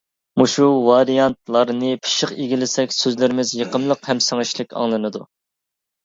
مۇشۇ ۋارىيانتلارنى پىششىق ئىگىلىسەك، سۆزلىرىمىز يېقىملىق ھەم سىڭىشلىك ئاڭلىنىدۇ.